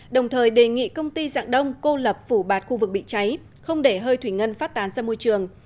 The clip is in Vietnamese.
đồng thời đề nghị công ty dạng đông cô lập phủ bạt khu vực bị cháy không để hơi thủy ngân phát tán ra môi trường